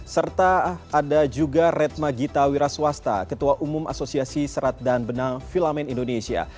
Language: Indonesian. serta ada juga red magita wiraswasta ketua umum asosiasi serat dan benang filamen indonesia